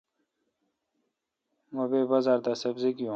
مہ بے بازار دا سبزی گیون۔